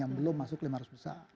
yang belum masuk lima ratus besar